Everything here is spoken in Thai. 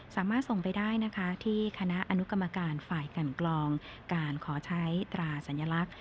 สามารถส่งไปได้นะคะที่คณะอนุกรรมการฝ่ายกันกรองการขอใช้ตราสัญลักษณ์